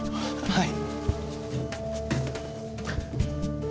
はい。